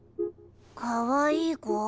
かわいい子。